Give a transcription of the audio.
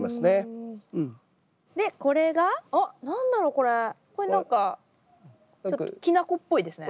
これ何かちょっときな粉っぽいですね。